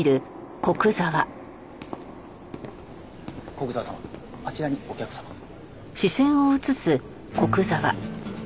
古久沢様あちらにお客様が。